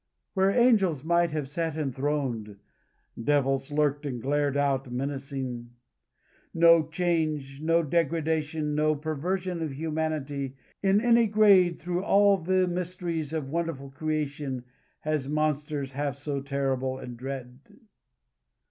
Where angels might have sat enthroned, devils lurked, and glared out menacing. No change, no degradation, no perversion of humanity, in any grade, through all the mysteries of wonderful creation, has monsters half so horrible and dread.